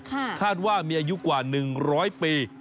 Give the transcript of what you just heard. คาดว่ามีอายุกว่า๑๐๐ปี